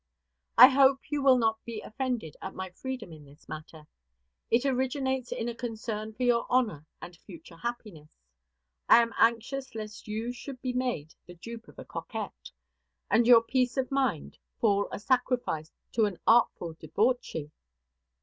I hope you will not be offended by my freedom in this matter. It originates in a concern for your honor and future happiness. I am anxious lest you should be made the dupe of a coquette, and your peace of mind fall a sacrifice to an artful debauchee.